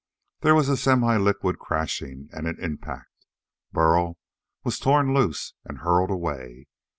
There was a semi liquid crashing and an impact. Burl was torn loose and hurled away.